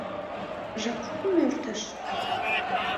Жап шуко мо эртыш?